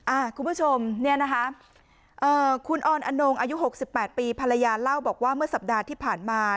คุณผู้ชมเนี่ยนะคะเอ่อคุณออนอนงอายุหกสิบแปดปีภรรยาเล่าบอกว่าเมื่อสัปดาห์ที่ผ่านมา